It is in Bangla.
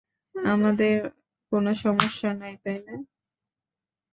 আমাদের কোন সমস্যা নাই, তাই না?